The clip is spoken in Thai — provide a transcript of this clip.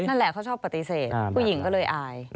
นั่นแหละเขาชอบปฏิเสธผู้หญิงก็เลยอาย